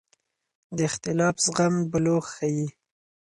د اختلاف زغم بلوغ ښيي